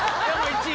１位！